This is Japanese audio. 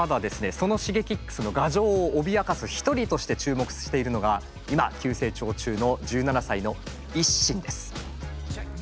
そのＳｈｉｇｅｋｉｘの牙城を脅かす一人として注目しているのが今急成長中の１７歳のＩＳＳＩＮです。